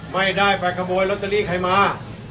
ไม่ได้ไปขโมยรถทรีย์ไขม้า